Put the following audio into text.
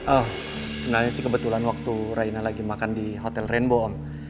oh sebenarnya sih kebetulan waktu raina lagi makan di hotel rainbow on